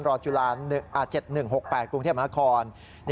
จุฬา๗๑๖๘กรุงเทพมนาคม